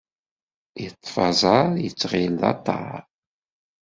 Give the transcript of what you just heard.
Yeṭṭef aẓar yetɣil d aṭar